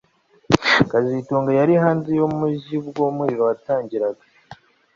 kazitunga yari hanze yumujyi ubwo umuriro watangiraga